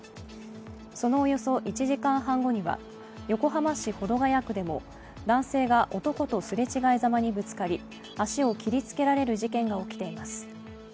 そのおよそ１時間半後には横浜市保土ケ谷区でも男性が男と擦れ違いざまにぶつかり、足を切りつけられる事件が起きています。